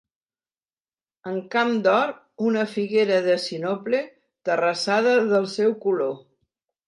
En camp d'or, una figuera de sinople, terrassada del seu color.